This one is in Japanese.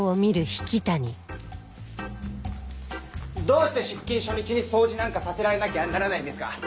どうして出勤初日に掃除なんかさせられなきゃならないんですか？